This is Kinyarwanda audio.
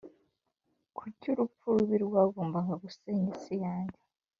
kuki urupfu rubi rwagombaga gusenya isi yanjye.